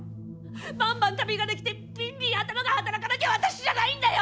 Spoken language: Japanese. バンバン旅ができてビンビン頭が働かなきゃ私じゃないんだよ！